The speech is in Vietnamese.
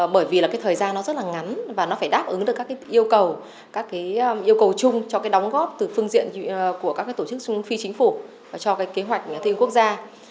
bởi vì thời gian rất ngắn và nó phải đáp ứng được các yêu cầu chung cho đóng góp từ phương diện của các tổ chức phi chính phủ cho kế hoạch thiên quốc gia